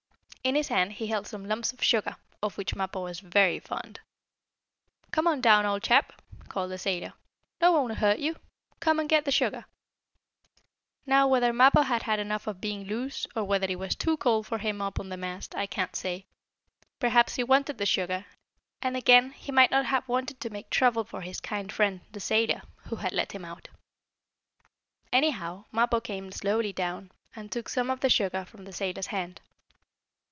In his hand he held some lumps of sugar, of which Mappo was very fond. "Come on down, old chap," called the sailor. "No one will hurt you. Come and get the sugar." Now whether Mappo had had enough of being loose, or whether it was too cold for him up on the mast, I can't say. Perhaps he wanted the sugar, and, again, he might not have wanted to make trouble for his kind friend, the sailor, who had let him out. Anyhow, Mappo came slowly down, and took some of the sugar from the sailor's hand.